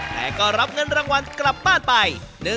แต่ก็รับเงินรางวัลกลับบ้านไป